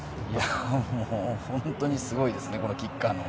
本当にすごいですね、このキッカー。